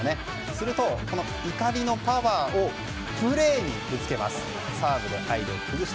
すると怒りのパワーをプレーにぶつけます。